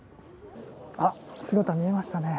姿、見えましたね。